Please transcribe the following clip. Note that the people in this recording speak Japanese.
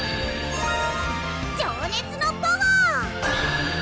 情熱のパワー！